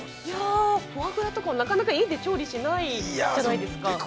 フォアグラとか、なかなか家で調理しないじゃないですか。